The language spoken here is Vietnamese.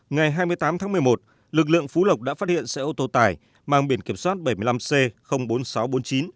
ngày hai mươi tám tháng một mươi một lực lượng phú lộc đã phát hiện xe ô tô tải mang biển kiểm soát bảy mươi năm c bốn nghìn sáu trăm bốn mươi chín